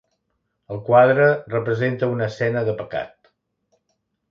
El quadre representa una escena de pecat.